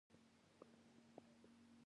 کوتره د وطن نښه ده.